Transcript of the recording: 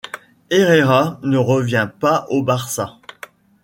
Herrera ne revient pas au Barça.